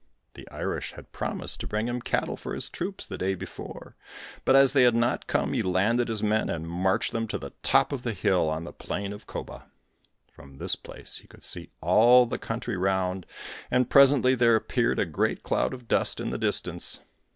The Irish had promised to bring him cattle for his troops the day before, but as they had not come he landed his men and marched them to the top of a little hill on the plain of Coba. From this place he could see all the country round, and presently there appeared a great cloud of dust in the distance.